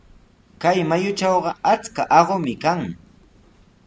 Kay mayutrawqa achka aqumi kan.